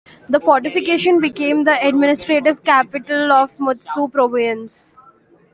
The fortification became the administrative capital of Mutsu province.